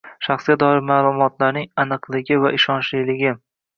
shaxsga doir ma’lumotlarning aniqligi va ishonchliligi;